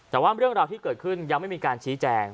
แต่ว่าเรื่องราวที่เกิดขึ้นยังไม่มีการชี้แจง